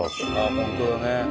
本当だね。